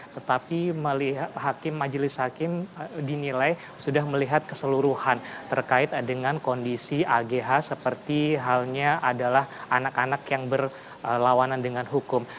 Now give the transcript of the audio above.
tetapi majelis hakim dinilai sudah melihat keseluruhan terkait dengan kondisi agh seperti halnya adalah anak anak yang berlawanan dengan hukum